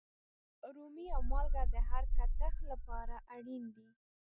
رومي او مالگه د هر کتغ لپاره اړین دي.